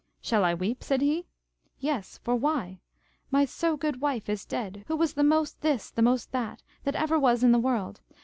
Shall I weep? said he. Yes, for why? My so good wife is dead, who was the most this, the most that, that ever was in the world.